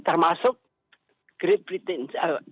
termasuk great britain